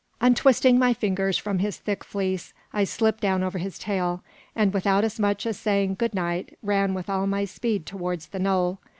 Untwisting my fingers from his thick fleece, I slipped down over his tail, and without as much as saying "Goodnight!" ran with all my speed towards the knoll.